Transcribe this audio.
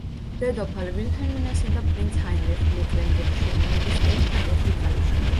დედოფალ ვილჰელმინასა და პრინც ჰაინრიხ მეკლენბურგ-შვერინელის ერთადერთი ქალიშვილი.